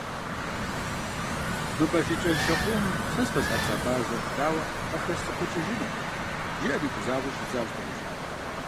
«Мы бажэ кӀэншэ къомым сэ сыкъэзыгъэпцӀа бажэр дауэ къахэсцӀыхукӀыжыну», – жиӀэри гузавэу щӀидзащ дыгъужьым.